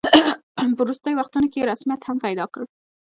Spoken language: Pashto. په وروستیو وختونو کې یې رسمیت هم پیدا کړ.